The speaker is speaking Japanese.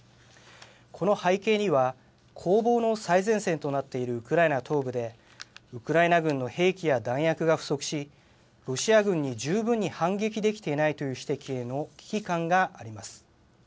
この背景には、攻防の最前線となっているウクライナ東部で、ウクライナ軍の兵器や弾薬が不足し、ロシア軍に十分に反撃できていないという指摘への危機感があります。